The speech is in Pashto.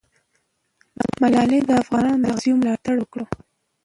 ملالۍ د افغانو غازیو ملاتړ وکړ.